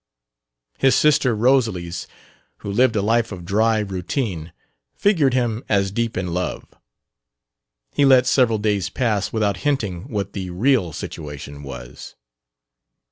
His sister Rosalys, who lived a life of dry routine, figured him as deep in love. He let several days pass without hinting what the real situation was.